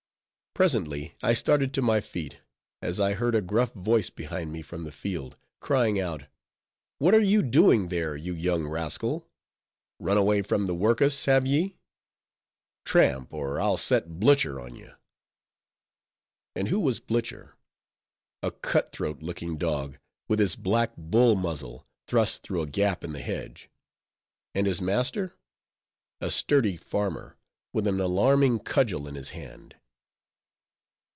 Presently, I started to my feet, as I heard a gruff voice behind me from the field, crying out—"What are you doing there, you young rascal?—run away from the work'us, have ye? Tramp, or I'll set Blucher on ye!" And who was Blucher? A cut throat looking dog, with his black bull muzzle thrust through a gap in the hedge. And his master? A sturdy farmer, with an alarming cudgel in his hand.